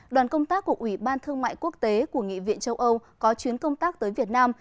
đoàn công tác của ủy ban thương mại quốc tế của nghị viện châu âu có chuyến công tác tới việt nam